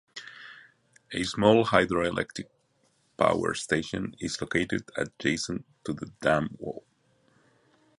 A small hydroelectric power station is located adjacent to the dam wall.